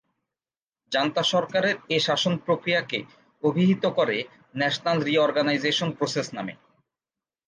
Junta সরকারের এ শাসন প্রক্রিয়াকে অভিহিত করে 'ন্যাশনাল রি-অর্গানাইজেশন প্রসেস' নামে।